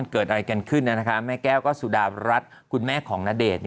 เขาเอาไปไว้ตรงไหน